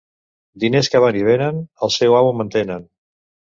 Diners que van i venen, el seu amo mantenen.